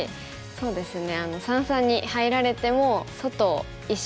そうですね。